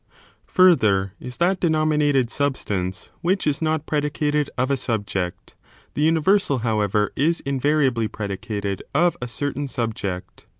Further, is tlmt deno j minated substance which is not predicated of a subject ; the universal, however, is invariably predicated of a certain sub ject.